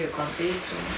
いつも。